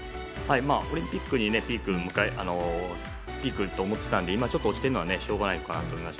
オリンピックでピークと思っていたので今ちょっと落ちてるのはしょうがないかなと思いました。